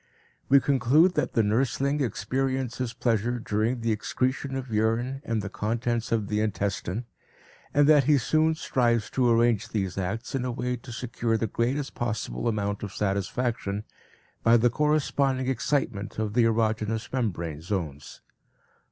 We conclude that the nursling experiences pleasure during the excretion of urine and the contents of the intestine and that he soon strives to arrange these acts in a way to secure the greatest possible amount of satisfaction by the corresponding excitement of the erogenous membrane zones.